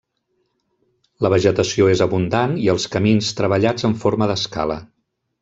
La vegetació és abundant i els camins treballats en forma d'escala.